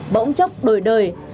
bỗng chốc đổi đời